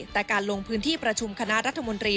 แต่การลงพื้นที่ประชุมคณะรัฐมนตรี